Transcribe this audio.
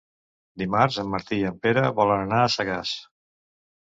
Dimarts en Martí i en Pere volen anar a Sagàs.